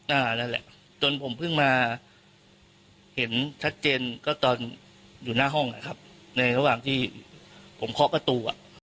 นั่นแหละจนผมเพิ่งมาเห็นชัดเจนก็ตอนอยู่หน้าห้องนะครับในระหว่างที่ผมเคาะประตูอ่ะ